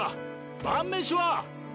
晩飯は？